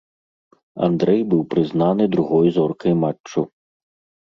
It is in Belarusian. Андрэй быў прызнаны другой зоркай матчу.